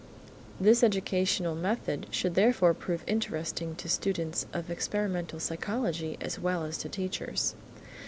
This educational method should therefore prove interesting to students of experimental psychology as well as to teachers.